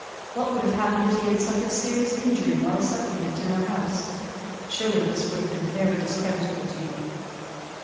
What would have happened if he had suffered serious injury while a suppliant in our house? Surely this would have been very discreditable to you."